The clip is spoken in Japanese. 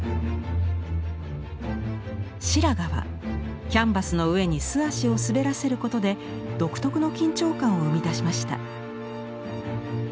白髪はキャンバスの上に素足を滑らせることで独特の緊張感を生み出しました。